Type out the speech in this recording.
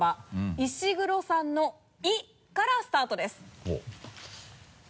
石黒さんの「い」からスタートです。